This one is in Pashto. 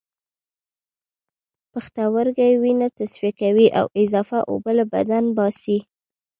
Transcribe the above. پښتورګي وینه تصفیه کوي او اضافی اوبه له بدن باسي